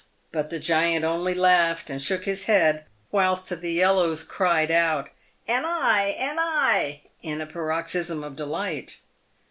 But the giant only laughed and shook his head, whilst the yellows cried out, "An eye! an eye!" in a paroxysm of delight.